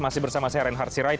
masih bersama saya reinhard sirait